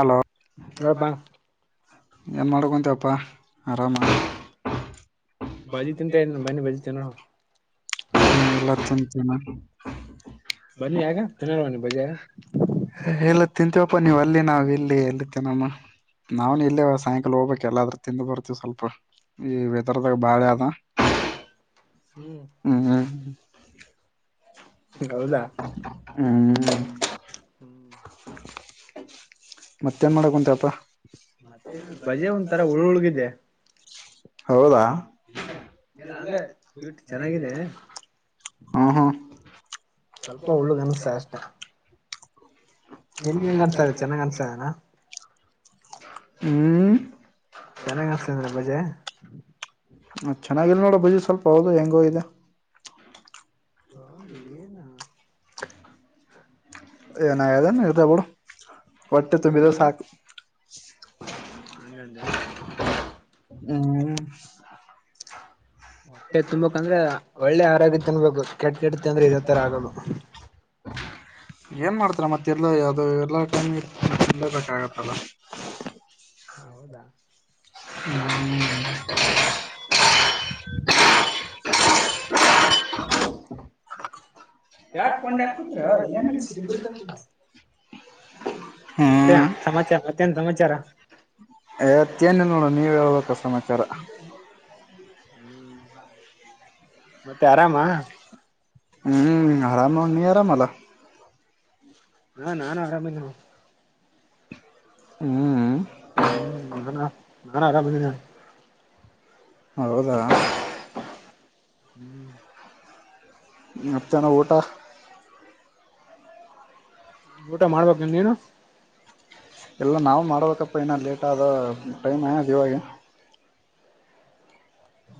Hello ನೋಡಪ್ಪಾ ಏನ್ ಮಾಡಕಂತ ಅಪ್ಪಾ ಆರಾಮ ಬಜಿ ತಿಂತ ಇದ ಬನ್ನಿ ಬಜಿ ತಿನ್ನೋ ಹ್ಮ ಎಲ್ಲ ತಿಂತನೆ ಬನ್ನಿ ಯಾಕ ತಿನ್ನಲ್ವ ನೀ ಬಜಿ ಯಾಗ. ಹೇಳಲ್ಲ ತಿಂತೀವಪ್ಪ ನೀವ್ ಅಲ್ಲಿ ನಾವ್ ಇಲ್ಲಿ ಎಲ್ಲಿಕ್ಕೆನಮ್ಮ ನಾವ್ ಇಲ್ಲೇ ಸಾಯಂಕಾಲ ಹೋಗ್ಬೇಕಕ್ ಎಲ್ಲಾದ್ರೂ ತಿಿಂದ ಬರ್ತೀವಿ ಸ್ವಲ್ಪ ಈ ವಿತರತೆ ಬಾಳದ ಹ್ಮ್ ಹ್ಮ ಹ್ಮ ಹೌದಾ ಹ್ಮ್ ಹ ಹ್ಮ್ ಮತ್ತೇನ್ ಮಾಡಕ್ ಕುಂತಪ್ಪ ಮತ್ತೇನ ಬಜೆ ಒಂಥರ ಉಳ್ ಉಳ್ಗಿದೆ ಹೌದಾ ನಿಜ ಎಲ್ಲ ಹಂಗ ಸ್ವೀಟ್ ಚೆನ್ನಾಗಿದೆ ಹ್ಮ್ ಹ್ಮ್ ಸ್ವಲ್ಪ ಉಳ್ಳಗ್ ಎಲ್ಲಿಗಂಗ ಕನಸ ಚನ್ನ ಕಾಣಸಣ ಹ್ಮ್ ಚೆನ್ನಾಗ್ ಕನ್ನ ಬಜೆ ಹ ಚೆನ್ನಾಗಿಲ್ ನೋಡ ಬಜಿ ಸ್ವಲ್ಪ ಹೌದು ಹೆಂಗೋದೆ ಹೌದು ಹ್ಮ ಏನು ಏನಾಗದನ್ ಇರ್ತಾ ಬಿಡು ಹೊಟ್ಟೆ ಹ ತುಂಬಿದ ಸಾಕು ಹಂಗಂದೆ ಹ್ಮ್ ಹೊಟ್ಟೆ ತುಂಬಕ್ಂದ್ರೆ ಒಳ್ಳೆ ಆರೋಗ್ಯ ತಿನ್ಬೇಕು ಕೆಟ್ಟ ಕೆಡ್ತಿ ಅಂದ್ರೆ ಇ ತರ ಆಗದು ಏನ್ ಮಾಡ್ತಾರ ಮತ್ತೆ ಇರ್ಲ್ಲ ಯಾವದು ಎರ್ಲ್ಲಾ ಟೈಮಿ ಇ ಇರ್ಲಬೇಕಾಗತ್ತಲ್ಲ ಹಾ ಹೌದಾ ಇ ಹ ಯಾಕ್ಕೊಂಡ ಹ ಕುದ ಏನೇನ್ ಸಿರಿಗರ್ಕಲ್ಲ ಮತ್ತ್ಯಾ ಹ್ಮ್ ಸಮಾಚಾರ ಮತ್ತೆನ್ ಸಮಾಚಾರ ತ್ನ ನೋಡ ನೀವ ಹೇಳ್ಬೇಕಕ್ಕ ಸಮಾಚಾರ ಹ್ಮ್ ಮತ್ತೆ ಆರಾಮ ಹ್ಮ್ ಆರಾಮ ಮಾಡ ನೀ ಯರ ಮಲ್ಲ ಹಾ ನಾು ಆರಾಮಿಲ್ಲ ನ ಹ್ಮ್ ಹ್ಮ ನಾನಾ ನನ್ ಆರಾಮದನ ಹೌದಾ ಹ್ಮ್ ಮತ್ತೇನೂ ಊಟ ಊಟ ಮಾಡ್ಬೇಕ ನೀನು ಇಲ್ಲ ನಾವು ಮಾಡ್ಬೇಕಪ್ಪ ಇನ್ನೂ ಲೇಟ್ ಆದ ಟೈಮೇ ಅದುಿವಾಗ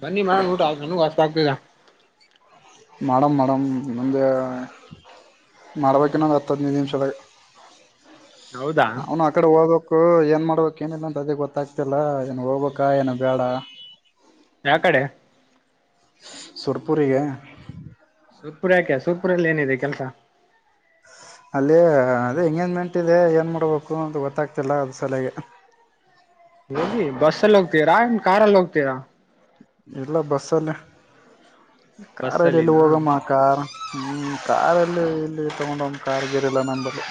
ಬನ್ನಿ ಮ ಊಟ ಆ ನಗ್ ವಾಸ್ ಆಗ್ತಾ ಮಾಡಮ್ ಮಾಡಮ್ ಮುಂದೆ ಹ್ಮ್ ಮಾಡ್ಬೇಕನ್ನೊಂದು ಹತ್ತು ಹದಿನೈದು ನಿಮಿಷದಾಗ ಹೌದಾ ಅವನು ಆ ಕಡೆ ಹೋಗಕ್ ಏ ಮಾಡ್ಬೇಕಕ್ ಏನಿಲ್ಲ ಅಂತ ಅದ ಗೊತ್ತಾಗ್ತಿಲ್ಲ ಏನು ಹೋಗ್ಬೇಕಾ ಏನು ಬೇಡ ಯಾಕಡೆ ಸುರಪುರ ಗೆ ಸೂತ್ಪುರ ಯಾಕೆ ಸುತ್ಪುರಲ್ಲಿ ಏನಿದೆ ಕೆಲಸ [inaudible] ಅಲ್ಲಿ ಅದೇ ಎಂಗೇಜ್ಮೆಂಟ್ ಇದೆ ಏನ್ ಮಾಡ್ಬೇಕು ಅಂತ ಗೊತ್ತಾಗ್ತಿಲ್ಲ ಅದ ಸಲಗೆ ತೀರಾನ್ ಕಾರಾರ್ಲ್ಲಿ ಹೋಗ್ತೀರಾ ಎಲ್ಲ ಬಸ್ಸಲ್ಲಿ ಕಾರಲ್ಲಿ ಎಲ್ಲಿ ಬಸ್ಸಲ್ಲಿನಾ ಹೋಗಮ್ಮ ಕಾರ್ ಹ್ಮ ಕಾರಲ್ಲಿ ಇಲ್ಲಿ ತಗೊಂಡ ಒಂದು ಕಾರ್ಗೇರಲ್ಲ ನನ್ನಲ್ಲಿ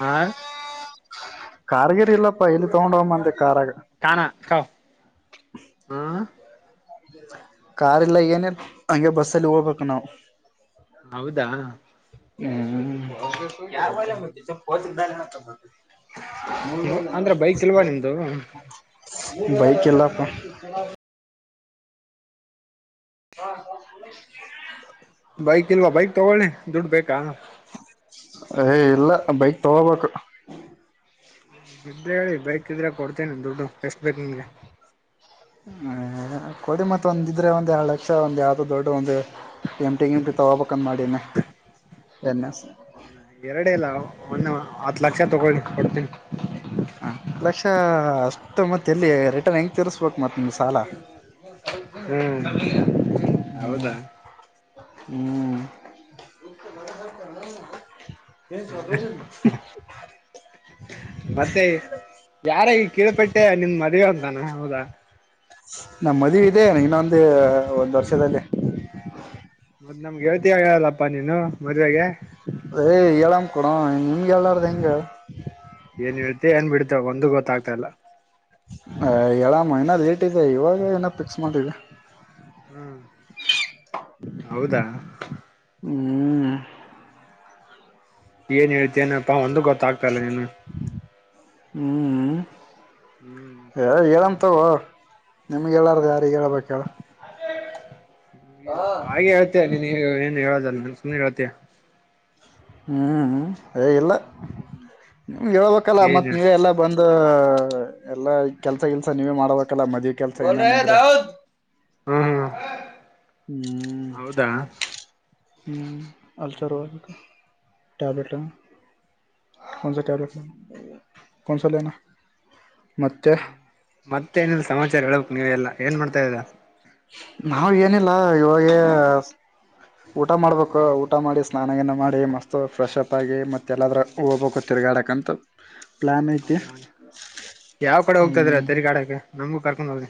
ಹ ಕಾರ್ಗಿರಿ ಇಲ್ಲಪ್ಪಾ ಇಲ್ಲಿ ತಗೊಂಡ ಹಮ್ಮ ಅಂತೆ ಕಾರಾಗ ಹ ಕಾರಾರ್ ಎಲ್ಲ ಈಗೇನ ಹಗೆ ಬಸ್ಸಲ್ಲಿ ಹೋಗ್ಬೇಕು ನಾವವು ಹೌದಾ ಹ್ಮ್ ಯಾರ ಮಾಡ ಮ ಪದಲ್ಲ ನತ ಮ ಹ್ಮ ಅಂದ್ರೆ ಬೈಕ್ ಇಲ್ವಾ ನಿಮ್ದು ಬೈಕ್ ಇಲ್ಲಪ್ಪ ಹ ಬೈಕ್ ಇಲ್ವಾ ಬೈಕ್ ತಗೋಳಿ ದುಡ್ಡು ಬೇಕಾ ಯ ಇಲ್ಲ ಬೈಕ್ ತಗೋಬೇಕು ಹ್ಮ ಇದ್ರೆ ಹೇಳಿ ಬರಕ್ದ್ರೆ ಕೊಡ್ತೇನೆ ದುಡ್ಡು ಎಷ್ಟ ಬೇಕ ನಿಮಗೆ ಹ ಕೊಡಿ ಮತ್ತ ಒಂದ ಇದ್ರೆ ಒಂದ ಎರಡು ಲಕ್ಷ ಒಂದ ಯಾವ್ದೋ ದೊಡ್ಡ ಒಂದು ಎಮಟಿ ಎಮಿ ತಗೋಬೇಕಂದ ಮಾಡಿನ ಎನ್ ಎಸ್ ಹೌದ ಎರಡ ಇಲ್ಲ ಒಂದ ಹತ್ ಲಕ್ಷ ತಗೋಿ ಕೊಡ್ತೀನಿ ಹ ಲಕ್ಷ ಅಷ್ಟ ಮತ್ತೆ ಎಲ್ಲಿ ರಿಟರ್ನ್ ಹೆಂಗ ತೀರ್ಸ ಹ್ಮ್ ಹೌದಾ ಹ್ಮ್ ತ [unintelligible] ಮತ್ತೆ ಯಾರಾಗಿ ಕಿಳ್ಪಟ್ಟೆ ನಿಮ್ ಮದ್ವೆೆ ಅಂತಾನ ಹೌದಾ ನಮ್ಮ ಮದ್ವೆ ಇದೆ ಇನ್ನೊಂದು ಒಂದ್ ವರ್ಷದಲ್ಲಿ ಮತ್ ನಮ್ಗೆ ಯವತಿಯಾಗಲ್ಲಪ್ಪಾ ನೀನು ಮದ್ವೆಗೆ ಅ ಏಳಾಮ ಕಣೋ ನಿಮ್ಗೆಳ್ಡ್ದ ಹೆಂಗ ಏನ್ ಹೇಳ್ತ ಏನ್ ಬಿಡತ ಒಂದ ಗೊತ್ತಾಗ್ತಾ ಇಲ್ಲ ಹ ಏಳ ಮೈನಾ ಲೇಟ್ ಇದೆ ಇವಾಗ ಏನ ಫಿಕ್ಸ್ ಮಾಡವಿ ಹ್ಮ್ ಹೌದಾ ಹ್ಮ ಏನ್ ಹೇಳ್ತನಪ್ಪಾ ಒಂದ ಗೊತ್ತಾಗ್ತಾ ಇಲ್ಲ ನೀನು ಹ್ಮ ಹ್ಮ್ ಹೇಳಂತವು ನಿಮ್ಗೆ ಹೇಳಾರ್ದ ಯಾರಗ್ ಹೇಳಳ್ಬೇಕ ಹೇಳ ಹಾಗೆ ಹೇಳ್ತಯ ನೀನ್ ಏನು ಹೇಳದಲ್ಲ ನನ್ ಸುಮ್ನೆ ಹೇಳ್ತಯ ಹ್ಮ್ ಅ ಇಲ್ಲ ನಿಮ್ಗೆ ಹೇಳ್ಬೇಕಲ್ಲ ಏನ್ ಮತ್ತತ್ ನೀವ ಎಲ್ಲ ಬಂದ ಎಲ್ಲಾ ಕೆಲ್ಸ ಕೆಲ್ಸ ನೀವೇ ಮಾಡ್ಬೇಕಲ್ಲ ಮದ್ವಿ ಕೆಲ್ಸ ಎ ಹ್ಮ ಹ್ಮ್ ಹ್ಮ್ ಅಲ್ಚಾರ ಟಬಟಾ ಕನ್ಸ ಟೇಬಲೆಟ್ ಕನ್ಸ ಲನಾಾ ಹ್ಮ ಮತ್ತೆ ಏನಿಲ್ಲ ಸಮಾಚಾರ ಹೇಳ್ಬೇಕಕ್ ನೀವ ಎಲ್ಲಾ ಏನ್ ಮಾಡ್ತಾದಾ ನಾವವು ಏನಿಲ್ಲ ಇವಾಗ ಊಟ ಮಾಡ್ಬೇಕು ಊಟ ಮಾಡಿಸ ಸ್ನಾನಗಾನ ಮಾಡಿ ಮಸ್ತು ಫ್ರೆಶ್ಪ್ ಆಾಗಿ ಮತ್ತುತ್ತೆಲ್ಲಾದರೂ ಹೋಗ್ಬೇಕು ತಿರ್ಗಾಡಕ್ಕಂತ ಪ್ಲಾನ್ ಐತೆ ಹೌದಾ ಯಾವ್ ಕಡೆ ಹೋಗ್ತಾ ಇದ್ರ ತೆರಿಗಾಡಕ್ಕೆ ನಮಗೂ ಕರ್ಕೊಂಡ್ ಹೋಗಿ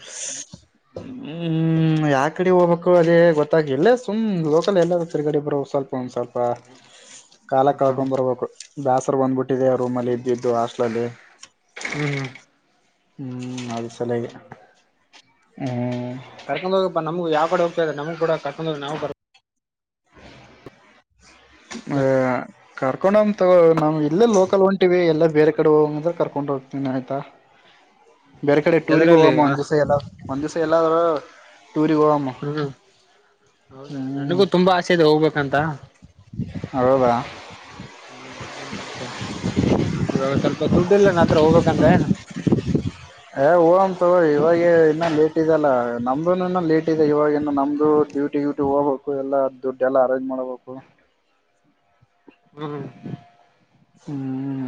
ಹ್ಮ್ ಯಾಕ ಗಡೆ ಹೋಗ್ಬೇಕು ಅದೇ ಗೊತ್ತಾಗಿ ಇಲ್ಲೇ ಸುಮ್ ಲೋಕಲ್ ಎಲ್ಲ ತಿರ್ಗಡೆಬ್ರು ಸ್ವಲ್ಪ ಒಂದ್ ಸ್ವಲ್ಪ ಕಾಲಕ್ ಹ್ಮ್ ಹ್ಮ್ ಕಳ್ಕೊಂಡ್ ಬರ್ಬೇಕು ಬೇಾಸರ್ ಬಂದ್ಬಿಟ್ಟಿದೆ ರೂಮ್ ಅಲ್ಲಿ ಇದ್ದಿದ್ದು ಹಾಸ್ಟ್ಲಲ್ಲಿ ಹ ಹ್ಮ್ ಅದು ಸಲ ಹ್ಮ್ ಕರ್ಕೊಂಡ ಹೋಗಪ್ಪ ನಮ್ಗ ಯಾವ ಕಡೆ ಹೋಗ್ತ್ರ ನಮ ಕೂ ಕರ್ಕೊಂಡೋಗ ನಾವು ಹ ಕರ್ಕೊಂಡ ತ ನಮ್ ಇಲ್ಲೇ ಲೋಕಲ್ ಒಂಟ ಇಿವ ಎಲ್ಲಾ ಬೇರೆ ಕಡೆ ಹೋಗ ಅಂದ್ರ ಕರ್ಕೊಂಡು ಹೋಗ್ತೀನಿ ಆಯ್ತಾ ಬೇರೆ ಕಡೆ ಟೂರಿಗೆ ಎದರಲ್ಲಿ ಹೋಗಮ್ಮ ಒಂದ್ ದಿವಸ ಎಲ್ಲ ಒಂದ ದಿವಸ ಎಲ್ಲ ಹ್ಮ ಹೌದಾ ಹ್ಮ್ ನನಗೂ ತುಂಬಾ ಆಸೆ ಇದೆ ಹೋಗ್ಬೇಕಂತ ಹಾ ಹೌದಾ ಏನ್ ಮಾಡತ ಇವಾಗ ಸ್ವಲ್ಪ ದುಡ್ ಇಲ್ಲ ನ ಹತ್ರ ಹೋಗ್ಬೇಕಂದ್ರೆ ಏ ಹಮ್ಮ ತ ಇವಾಗ ಇನ್ನ ಲೇಟ್ ಇದೆಲ್ಲ ನಮ್ದು ಇ ಲೇಟ್ ಇದೆ ಇವವಾಗಿ ನಮ್ದು ಡ್ಯಟಿ ವ್ಯೂಟಿ ಹೋಗ್ಬೇಕು ಎಲ್ಲಾ ದುಡ್ಡು ಎಲ್ಲ ಅರೇಂಜ್ ಮಾಡ ಹೋಗ ಹ್ಮ್ ಹ್ಮ್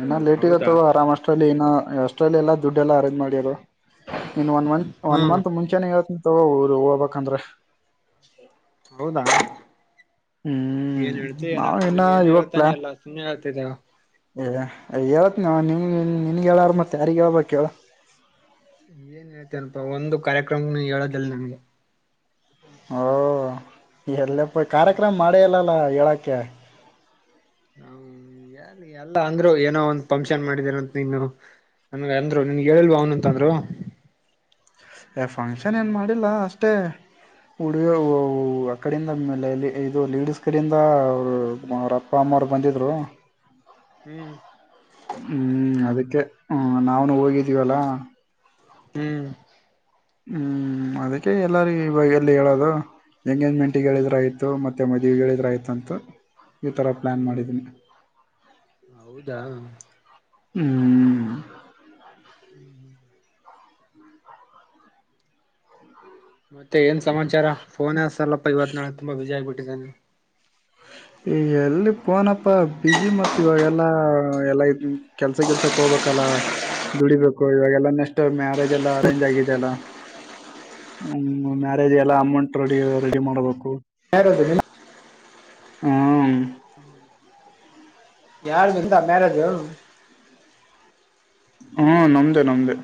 ಇನ ಹೌದಾ ಲೇಟ್ಗತ್ತವ ಅರಾಮಷ್ಟರಲ್ಲಿ ಏನ ಅಷ್ಟಲ್ಲಿ ಎಲ್ಲಾ ದುಡ್ಡು ಎಲ್ಲಾ ಅರೇಂಜ್ ಮಾಡಿರು in one month one hmm month ಮುಂಚೆಾನೇ ಇರತ್ತಿ ತಗೋ ಊರು ಹೋಗ್ಬೇಕಂದ್ರೆ ಹೌದಾ ಹ್ಮ್ ಏನ್ ಹೇಳ್ತಿ ನಾವ್ ಏನಪ್ಪಾ ಇನ್ನ ನೀನ್ ಏನು ಹೇಳ್ತಾನೆ ಎಲ್ಲ ಸುಮ್ಮನೆ ಆತಿದ್ದ ಏ ಹೇಳತ್ ನೀ ನಿನ್ ನಿನ್ಗೆ ಹೇಳಾರ ಮತ್ತೆ ಯಾರಿಗ್ ಹೇಳ್ಬೇಕ ಹೇಳ ಏನ್ ಹತನಪಾ ಒಂದು ಕಾರ್ಯಕ್ರಮನು ಹೇಳೋದಲ್ಲಿ ನನ್ಗೆ ಓ ಎಲ್ಲಪ್ಪ ಕಾರ್ಯಕ್ರಮ ಮಾಡಿಲ್ಲಲ್ಲ ಹೇಳಕ್ಕೆ ಹ್ಮ ಎಲ್ಲಿ ಎಲ್ಲ ಅಂದ್ರು ಏನೋ ಒಂದ ಫಂಕ್ಷನ್ ಮಾಡಿದರಂತ ನೀನು ನಮಗ ಅಂದ್ರು ನಿನ್ಗ್ ಹೇಳಿಲ್ವ ಅವನಂತ ಅಂದ್ರು ಫಂಕ್ಷನ್ ಏನ್ ಹ್ಮ್ ಮಾಡಿಲ್ಲ ಅಷ್ಟೇ ಉಡುಗ ಆ ಕಡಿಂದೇಲೆ ಇದು ಲೇಡಿಸಸ್ ಕಡಿಂದ ಅವಪ್ಪ ಅಮ್ಮ ಅವರು ಬಂದಿದ್ರು ಹ್ಮ್ ಹ್ಮ್ ಅದಕ್ಕೆ ಹ್ಮ ನಾವನು ಹೋಗಿದ್ದೀವಲ್ಲ ಹ್ಮ್ ಹ್ಮ್ ಅದಕ್ಕೆ ಎಲ್ಲಾರೂ ಇವಾಗ ಎಲ್ಲಿ ಹೇಳೋದು ಎಂಗೇಜ್ಮೆಂಟ್ ಹೇಳಿದ್ರ ಹ್ಮ್ ಇದ್ದು ಮತ್ತೆ ಮದ್ವಿಗಳಿದ್ರ ಐತಿ ಅಂತ ಈ ತರ ಪ್ಲಾನ್ ಹ್ಮ್ ಮಾಡಿದೀನಿ. ಹೌದಾ ಹ್ಮ್ ಹ್ಮ್ ಹ್ಮ್. ಮತ್ತೆ ಏನ್ ಸಮಾಚಾರ ಫೋನ್ ಹಚ್ಚಲಪ್ಪ ಇವತ್ ನಾಳ ತುಂಬಾ ಬ್ಯುಜಿ ಆಗ್ಬಿಟ್ಟಿದ್ದೇ ನೀನು ಈ ಎಲ್ಲಿ ಪೋನಪ್ಪ ಬಿಜಿ ಮತ್ ಇವಾಗೆಲ್ಲಾ ಎಲ್ಲ ಕೆಲ್ಸ ಗಿಲ್ಸಕ ಹೋಗ್ಬೇ ಕಲ್ಲಾ ದುಡಿಬೇಕು ಇವಾಗೆಲ್ಲ ನೆಕ್ಸ್ಟ್ ಮ್ಯಾರೇಜ್ ಎಲ್ಲಾ ಅರೇಂಜ್ ಆಗಿದೆಲ್ಲ ಹ್ಮ್ ಮ್ಯಾರೇಜ್ ಎಲ್ಲ ಅಮೌಂಟ್ ರೆಡಿ ರೆಡಿ ಮಾಡ್ಬೇಕು. ಯಾರೋದು ಹ್ಮ ಯಾರದು ನಿಂದಾ ಮಾರ್ರಾಜು ಹ್ಮ ನಮ್ದೇ ನಮ್ದೇ.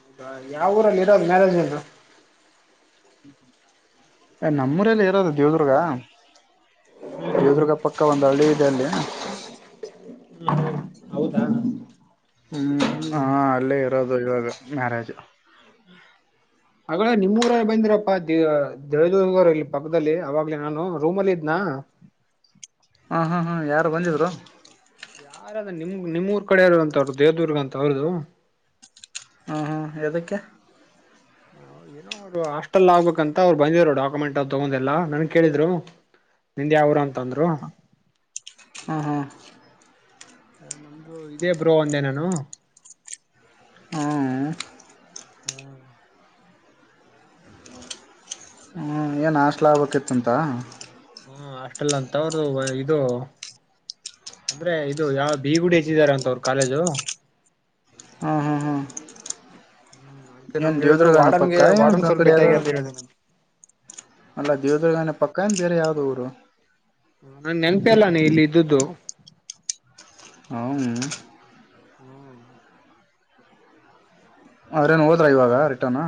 ಹೌದಾ ಯಾವ ಊರಲ್ಲಿ ಇರೋದು ಮ್ಯಾರೇಜ್ ನಿಂದು. ಏ ನಮ್ಮೂರಲ್ಲೆ ಇರೋದು ದೇವದುರ್ಗ ದೇವದುರ್ಗ ಪಕ್ಕ ಒಂದ್ ಹಳ್ಳಿ ಇದೆ ಅಲ್ಲಿ. ಹೌದಾ ಹ್ಮ್ ಹಾ ಅಲ್ಲೇ ಇರೋದು ಇವಾಗ ಮ್ಯಾರೇಜ್. ಆಗಳೇ ನಿಮ್ಮೂಊರಲ್ಲಿ ಬಂದಿರಪ್ಪಾ ದೇ ದೇವದುರ್ಗ ಇಲ್ಲಿ ಪಕ್ಕದಲ್ಲಿ ಅವಾಗ್ಲೇ ನಾನು ರೂಮಲ್ಲಿ ಇದ್ನಾ ಹಾ ಹಾ ಹಾ ಯಾರು ಬಂದಿದ್ರು ಯಾರಾ ಅದ ನಿಮ್ ನಿಮ್ ಊರ್ ಕಡೆವರು ಅಂತವ್ರು ದೇವದುರ್ಗ ಅಂತ ಅವ್ರದು ಹಾಂ ಹಾಂ ಯದಕ್ಕೆ ಏನೋ ಅವರು ಹಾಸ್ಟೆಲ್ ಆಗ್ಬೇಕಂತ ಅವ್ರು ಬಂದಿದರು ಡಾಕ್ಯುಮೆಂಟ್ ಅವ್ ತಗೊಂಡ ಎಲ್ಲ ನನ್ ಕೇಳಿದ್ರು ನಿಂದ ಯಾವ ಊರು ಅಂತ ಅಂದ್ರು ಹಾ ಹಾ ನಮ್ದು ಇದೇ ಬ್ರೋ ಒಂದೇ ನಾನು. ಹ್ಮ್ ಹಾ ಹ್ಮ್ ಏನ ಹಾಸ್ಟೆಲ್ ಆಗ್ಬೇಕಿತ್ತ ಅಂತಾ. ಹ್ಮ ಹಾಸ್ಟೆಲ್ ಅಂತ ಅವ್ರದು ಇದು ಅಂದ್ರೆ ಇದು ಯಾವ ಬಿ ಗುಡಿ ಹೆಚ್ಚಿದಾರ ಅಂತ ಅವರು ಕಾಲೇಜು ಹ್ಮ್ ಹ್ಮ್ ಹ್ಮ್. ಅದಕ್ಕೆ ಎನ ನಮ್ಗೆ ಹೇಳಿದ್ರು ದೇವದುರ್ಗನ ವಾರ್ಡನ್ಗೆ ಪಕ್ಕಾ ನ ವಾರ್ಡನ್ ಬ್ಯಾರೆ ಸರ್ ಕಡೆಯವ್ರು ಭೇಟಿಯಾಗಿ ಅಂತ ಹೇಳಿದೆ ನಾನು ಅಲ್ಲ ದೇವದುರ್ಗಾನ ಪಕ್ಕ ಏನ್ ಬೇರೆ ಯಾವ್ದ ಊರು ಹ ನಂಗ ನೆನಪೆ ಇಲ್ಲ ನೀ ಇಲ್ಲಿ ಇದ್ದಿದು. ಹೌದಾ ಹ್ಮ್ ಅವ್ರೇನ ಹೋದ್ರ ಇವಾಗ ರಿಟರ್ನ್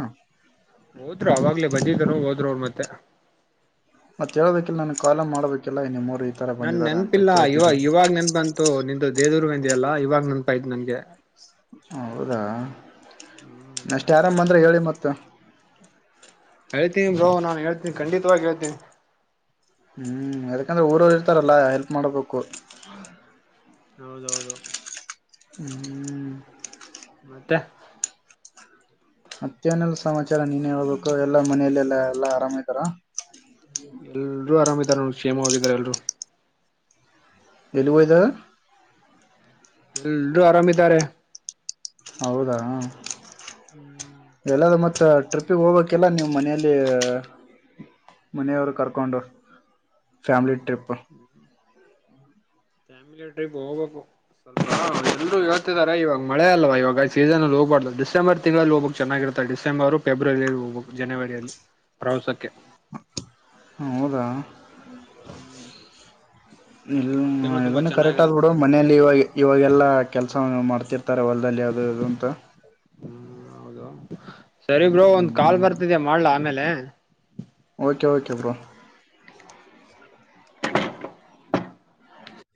ಹೋದ್ರು ಅವಾಗ್ಲೇ ಬಂದಿದ್ರು ಹೋದ್ರು ಅವ್ರ ಮತ್ತೆ. ಮತ್ತ ಹೇಳ್ಬೇಕಿಲ್ಲ ನಾನಗ ಕಾಲ ಮಾಡಬೇಕಲ್ಲಾ ನಿಮ್ಮವ್ರ ನಂಗ ನೆನಪಿಲ್ಲ ಇವಾಗ ಇವಾಗ್ ನೆನ್ಪ ಬಂತು ನಿಂದ ದೇವದುರ್ಗ ಅಂದಿ ಅಲ್ಲಾ ಇವಾಗ್ ನೆನ್ಪಾಯ್ತು ನಂಗೆ. ಹೌದಾ ಹ್ಮ್ ನೆಕ್ಸ್ಟ್ ಯಾರನ ಬಂದ್ರೆ ಹೇಳಿ ಮತ್ತ. ಹೇಳ್ತೀನಿ ಬ್ರೋ ನಾನ ಹೇಳ್ತೀನಿ ಖಂಡಿತವಾಗಿ ಹೇಳ್ತೀನಿ. ಹ್ಮ್ ಯದಕಂದ್ರೆ ಊರವ್ರ ಇರ್ತಾರಲ್ಲ ಹೆಲ್ಪ್ ಮಾಡ್ಬೇಕು. ಹೌದೌದು ಹ್ಮ್ ಮತ್ತೆ ಮತ್ತೇನೀಲ್ಲ ಸಮಾಚಾರ ನೀನ್ ಹೇಳ್ಬೇಕು ಎಲ್ಲಾ ಮನೇಲ್ಲೆಲ್ಲಾ ಎಲ್ಲಾ ಆರಾಮ ಇದ್ದಾರ ಎಲ್ರು ಆರಾಮಾ ಇದರ ನೋಡ ಕ್ಷೇಮವಾಗಿದಿದ್ದಾರೆ ಎಲ್ರು. ಯಲ್ಲಿ ವೈದ ಎಲ್ರೂ ಆರಾಮಿದ್ದಾರೆ. ಹೌದಾ ಹ್ಮ್ ಎಲ್ಲ ಮತ್ತ ಟ್ರಿಪ್ಪಿಗೆ ಹೋಗ್ಬೇಕಲ್ಲ ನೀವು್ ಮನೆಯಲ್ಲಿ ಮನೆಯವರು ಕರ್ಕೊಂಡ ಫ್ಯಾಮ್ಲಿ ಹ್ಮ್ ಹ್ಮ ಫ್ಯಾಮಿಲಿ ಟ್ರಿಪ್ ಹೋಗ್ಬೇಕು ಸ್ವಲ್ಪ ಎಲ್ರೂ ಹೇಳ್ತಿದಿದ್ದಾರೆ ಇವಾಗ ಮಳೆ ಅಲ್ವಾ ಇವಾಗ ಆ ಸೀಸನ್ಲ್ಲಿ ಹೋಗಬಾರ್ದು ಿಸೆಂಬರ್ ತಿಗಳಲ್ಲಿ ಹೋಗ್ಕ್ ಚೆನ್ನಾಗಿರುತ್ತಾರೆ ಡಿಸೆಂಬರ್ ಫೆಬ್ರವರಿಯಲ್ಲಿ ಹೋಗ್ ಜನವರಿಯಲ್ಲಿ ಪ್ರವಾಸಕ್ಕೆ ಹ ಹೌದಾ ಹ್ಮ್ ಆ ಇಲ್ಲ ತಿಂಗಳು ತುಂಬಾ ಇದನ್ನು ಕರೆಕ್ಟ್ ಚೆನ್ನಾಗಿರುತ್ತೆ ಆದ್ಬಿಡು ಮನಲಿ ಇವಾಗ ಇವಾಗೆಲ್ಲಾ ಕೆಲ್ಸ ಮಾಡ್ತಾರೆ ತರ ಹೊಲ್ದಲ್ಲಿ ಯಾಾವ್ದ ಯಾವದು ಅಂತ ಹ್ಮ್ ಹೌದು ಸರಿ ಬ್ರೋ ಒಂದ್ ಕಾಲ್ ಹ್ಮ್ ಬರ್ತಿದ್ಯಾ ಮಾಡ್ಲ ಆಮೇಲೆ ಓಕೆ ಓಕೆ ಬ್ರೋ [inaudible]